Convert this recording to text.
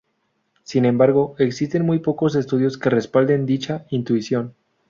Sin embargo, existen muy pocos estudios que respalden dicha intuición.